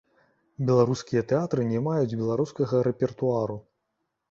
Беларускія тэатры не маюць беларускага рэпертуару.